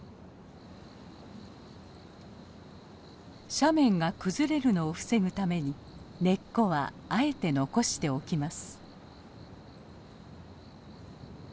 斜面が崩れるのを防ぐために根っこはあえて残しておきます。